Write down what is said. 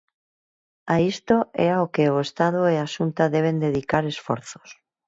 A isto é ao que o Estado e a Xunta deben dedicar esforzos.